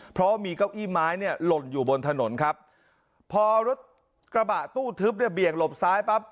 เพราะมีเก้าอี้ไม้เนี่ยหล่นอยู่บนถนนครับพอรถกระบะตู้ทึบเนี่ยเบี่ยงหลบซ้ายปั๊บ